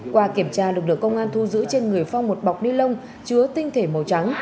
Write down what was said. qua kiểm tra lực lượng công an thu giữ trên người phòng một bọc nilon chứa tinh thể màu trắng